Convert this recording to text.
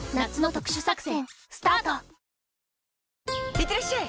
いってらっしゃい！